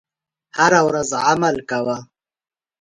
هره ورځ عمل کوه .